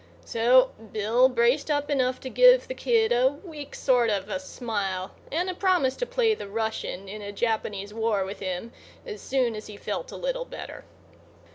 So Bill braced up enough to give the kid a weak sort of a smile and a promise to play the Russian in a Japanese war with him is soon as he felt a little better.